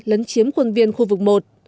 lấn chiếm quân viên khu vực một